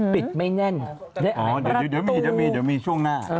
ปิดไม่แน่นได้อายุประตูเดี๋ยวมีช่วงหน้า